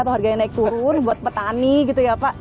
atau harganya naik turun buat petani gitu ya pak